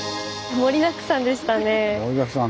盛りだくさんでしたね。